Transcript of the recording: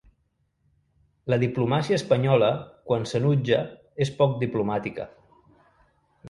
La diplomàcia espanyola, quan s’enutja, és poc diplomàtica.